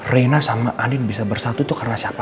reina sama andin bisa bersatu itu karena siapa